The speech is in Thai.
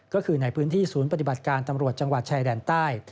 ก็คือในพื้นที่ศูนย์ปฏิบัติการตำรวจจังหวัดชายแดนใต้